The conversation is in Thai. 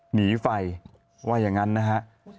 หนีไฟว่าอย่างนั้นนะฮะ